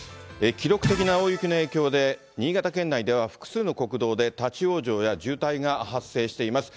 記録的な大雪の影響で、新潟県内では複数の国道で立往生や渋滞が発生しています。